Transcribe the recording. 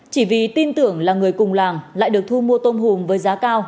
chỉ vì tin tưởng là người cùng làng lại được thu mua tôm hùm với giá cao